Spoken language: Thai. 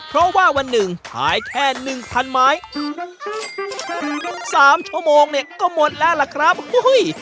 เพราะว่าวันหนึ่งขายแค่หนึ่งพันไม้สามชั่วโมงเนี่ยก็หมดแล้วล่ะครับอุ้ย